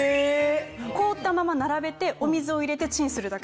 凍ったまま並べてお水を入れてチンするだけ。